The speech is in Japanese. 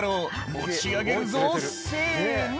「持ち上げるぞせの！」